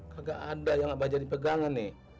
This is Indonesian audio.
gak ada yang abah jadi pegangan nih